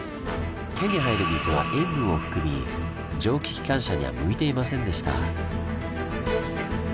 手に入る水は塩分を含み蒸気機関車には向いていませんでした。